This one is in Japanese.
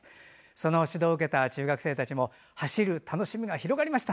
その指導を受けた中学生たちも走る楽しみが広がりました。